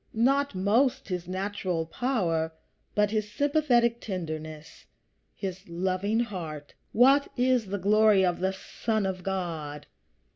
Not most his natural power, but his sympathetic tenderness, his loving heart. What is the glory of the Son of God?